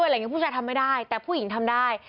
อะไรอย่างนี้ผู้ชายทำไม่ได้แต่ผู้หญิงทำได้